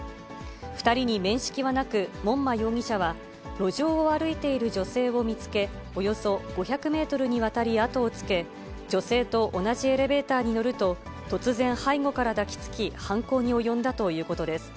２人に面識はなく、門馬容疑者は、路上を歩いている女性を見つけ、およそ５００メートルにわたり後をつけ、女性と同じエレベーターに乗ると、突然、背後から抱きつき犯行に及んだということです。